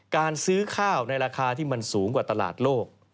การซื้อข้าวในราคาที่มันสูงกว่าตลาดโลก